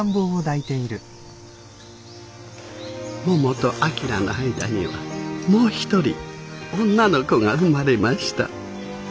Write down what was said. ももと旭の間にはもう一人女の子が生まれました。